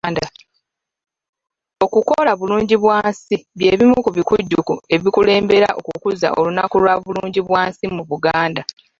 Okukola bulungibwansi by'ebimu ku bikujjuko ebikulembera okukuza olunaku lwa Bulungibwansi mu Buganda.